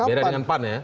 beda dengan pan ya